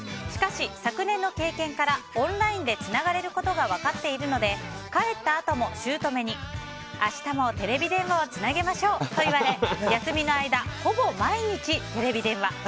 しかし、昨年の経験からオンラインでつながれることが分かっているので帰ったあとも、姑に明日もテレビ電話をつなぎましょうと言われ休みの間、ほぼ毎日テレビ電話。